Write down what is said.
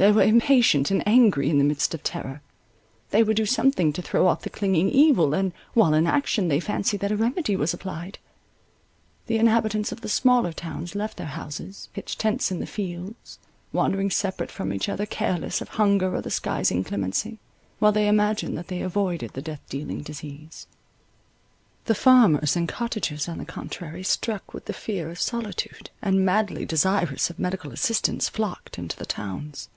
They were impatient and angry in the midst of terror. They would do something to throw off the clinging evil, and, while in action, they fancied that a remedy was applied. The inhabitants of the smaller towns left their houses, pitched tents in the fields, wandering separate from each other careless of hunger or the sky's inclemency, while they imagined that they avoided the death dealing disease. The farmers and cottagers, on the contrary, struck with the fear of solitude, and madly desirous of medical assistance, flocked into the towns.